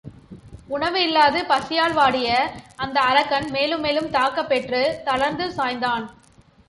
உணவு இல்லாது பசியால் வாடிய அந்த அரக்கன் மேலும் மேலும் தாக்கப் பெற்றுத் தளர்ந்து சாய்ந்தான்.